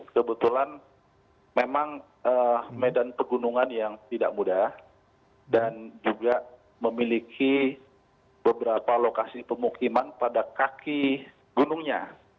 kebetulan memang medan pegunungan yang tidak mudah dan juga memiliki beberapa lokasi pemukiman pada kaki gunungnya